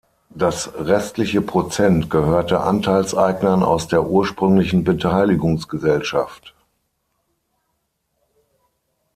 Das restliche Prozent gehörte Anteilseignern aus der ursprünglichen Beteiligungsgesellschaft.